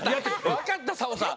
わかったサボさん。